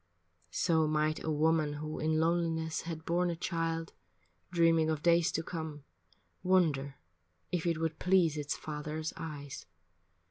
So might a woman who in loneliness Had borne a child, dreaming of days to come, Wonder if it would please its father's eyes.